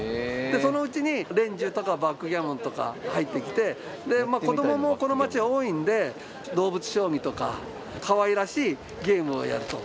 でそのうちに連珠とかバックギャモンとか入ってきてで子供もこの街は多いんでどうぶつしょうぎとかかわいらしいゲームをやると。